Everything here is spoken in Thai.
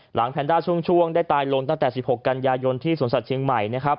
หลังแพนด้าช่วงได้ตายลงตั้งแต่๑๖กันยายนที่สนสัตว์ชิงใหม่